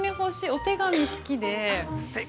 お手紙好きで。